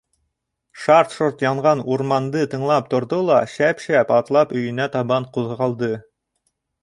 Шарт-шорт янған урманды тыңлап торҙо ла шәп-шәп атлап өйөнә табан ҡуҙғалды.